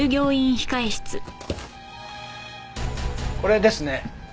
これですね。